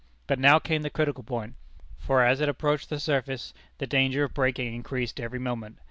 But now came the critical point, for as it approached the surface the danger of breaking increased every moment.